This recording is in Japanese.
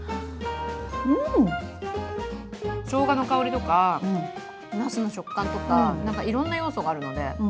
しょうがの香りとかなすの食感とかいろんな要素があるので。